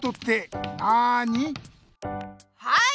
はい！